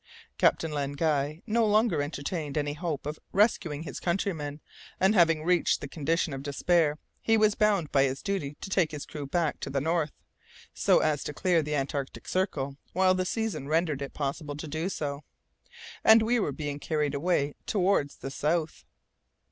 Captain Len Guy no longer entertained any hope of rescuing his countrymen, and having reached the condition of despair, he was bound by his duty to take his crew back to the north, so as to clear the antarctic circle while the season rendered it possible to do so. And we were being carried away towards the south!